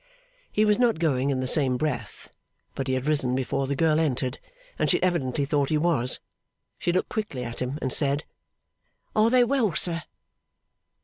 He was not going in the same breath; but he had risen before the girl entered, and she evidently thought he was. She looked quickly at him, and said: 'Are they well, sir?